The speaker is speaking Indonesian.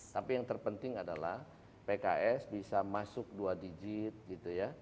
tapi yang terpenting adalah pks bisa masuk dua digit gitu ya